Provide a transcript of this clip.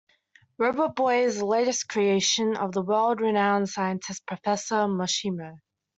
Robotboy is the latest creation of the world-renowned scientist Professor Moshimo.